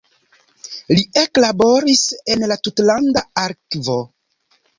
Li eklaboris en la tutlanda arkivo.